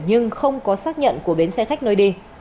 nhưng không có xác nhận của bến xe khách nơi đi